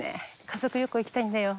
家族旅行行きたいんだよ。